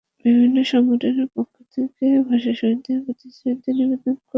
বিভিন্ন সংগঠনের পক্ষ থেকে ভাষাশহীদদের প্রতি শ্রদ্ধা নিবেদন করতে যায় মানুষ।